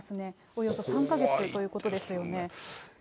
およそ３か月ということですよね。